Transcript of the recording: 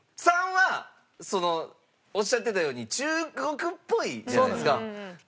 ３はおっしゃってたように中国っぽいじゃないですか。